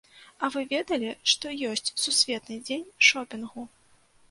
А вы ведалі, што ёсць сусветны дзень шопінгу?